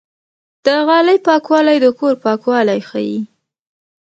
د غالۍ پاکوالی د کور پاکوالی ښيي.